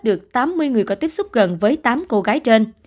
được tám mươi người có tiếp xúc gần với tám cô gái trên